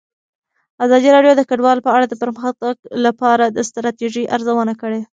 ازادي راډیو د کډوال په اړه د پرمختګ لپاره د ستراتیژۍ ارزونه کړې.